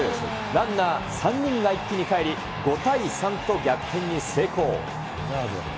ランナー３人が一気にかえり、５対３と逆転に成功。